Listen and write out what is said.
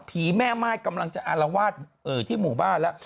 แม่ม่ายกำลังจะอารวาสที่หมู่บ้านแล้ว